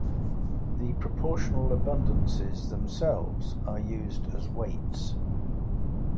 The proportional abundances themselves are used as weights.